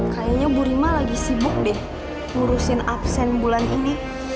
kayaknya bu rima lagi sibuk deh ngurusin absen bulan ini